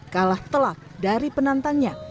kalah telak dari penantangnya